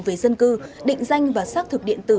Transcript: về dân cư định danh và xác thực điện tử